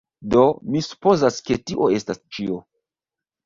Do, mi supozas ke tio estas ĉio.